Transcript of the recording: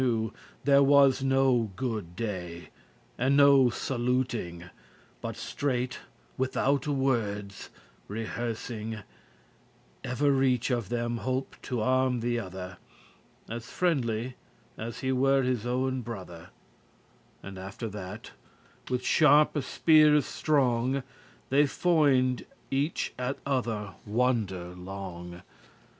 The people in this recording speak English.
*When they recognised each There was no good day, and no saluting, other afar off* But straight, withoute wordes rehearsing, Evereach of them holp to arm the other, As friendly, as he were his owen brother. And after that, with sharpe speares strong They foined* each at other wonder long.